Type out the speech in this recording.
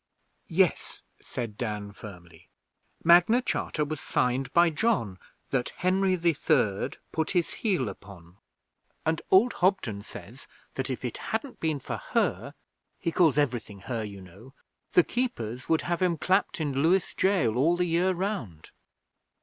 'Yes,' said Dan firmly. 'Magna Charta was signed by John, That Henry the Third put his heel upon. And old Hobden says that if it hadn't been for her (he calls everything "her", you know), the keepers would have him clapped in Lewes Gaol all the year round.'